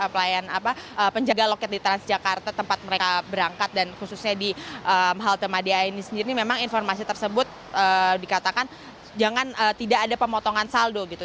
pelayan apa penjaga loket di transjakarta tempat mereka berangkat dan khususnya di halte mada ini sendiri memang informasi tersebut dikatakan jangan tidak ada pemotongan saldo gitu